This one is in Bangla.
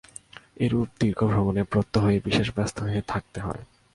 এরূপ দীর্ঘ ভ্রমণে প্রত্যহই বিশেষ ব্যস্ত হয়ে থাকতে হয়।